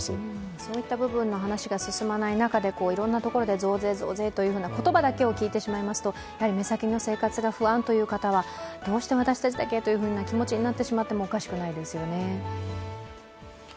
そういった部分の話が進まない中でいろんなところで増税、増税というふうな言葉だけを聞いてしまいますと、目先の生活が不安という方はどうして私たちだけという気持ちになってしまってもおかしくないですよね。